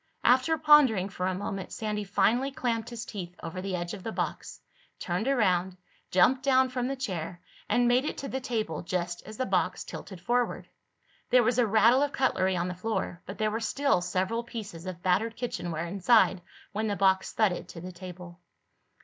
After pondering for a moment Sandy finally clamped his teeth over the edge of the box, turned around, jumped down from the chair and made it to the table just as the box tilted forward. There was a rattle of cutlery on the floor, but there were still several pieces of battered kitchenware inside when the box thudded to the table.